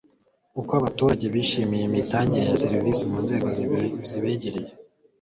uko abaturage bishimiye imitangire ya serivisi mu nzego zibegereye